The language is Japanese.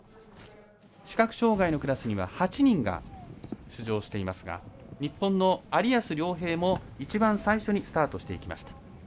視覚障がいのクラスには８人が出場していますが日本の有安諒平も一番最初にスタートしていきました。